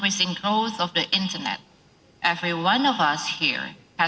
dengan kembang internet yang terus meningkat